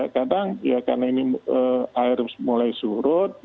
kadang ya karena ini air mulai surut